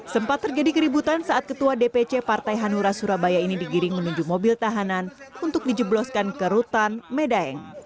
sempat terjadi keributan saat ketua dpc partai hanura surabaya ini digiring menuju mobil tahanan untuk dijebloskan ke rutan medaeng